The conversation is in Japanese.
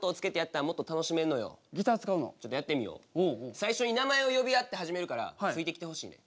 最初に名前を呼び合って始めるからついてきてほしいねん。